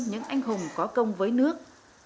những anh hùng có công với nước